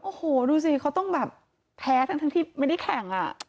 โอ้โหดูสิเขาต้องแบบแพ้ทั้งที่ไม่ได้แข่ง